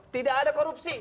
tidak ada korupsi